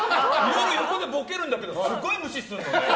横でボケるんだけどすごい無視するんだよ。